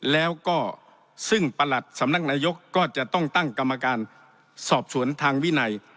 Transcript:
แล้วก็ซึ่งประหลัดสำนักนายกก็จะต้องตั้งกรรมการสอบสวนทางวินัย